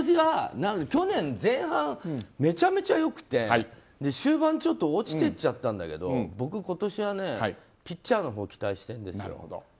去年前半めちゃめちゃ良くて終盤、ちょっと落ちてっちゃったんだけど僕今年はピッチャーのほう期待してるんですよ。